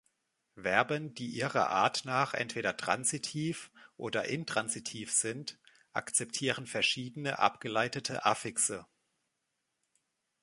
Verben, die ihrer Art nach entweder transitiv oder intransitiv sind, akzeptieren verschiedene abgeleitete Affixe.